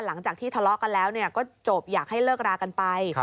หลังจากที่ทะเลาะกันแล้วก็จบอยากให้เลิกรากันไป